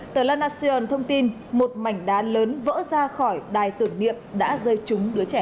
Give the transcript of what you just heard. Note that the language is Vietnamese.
tờ lana thông tin một mảnh đá lớn vỡ ra khỏi đài tưởng niệm đã rơi trúng đứa trẻ